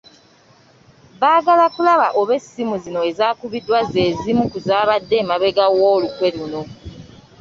Baagala kulaba oba essimu zino ezaakubiddwa ze zimu ku zaabadde emabega w’olukwe luno.